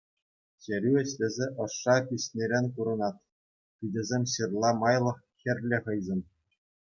Хӗрӳ ӗҫлесе ӑшша пиҫнӗрен курӑнать, пичӗсем ҫырла майлах хӗрлӗ хӑисен.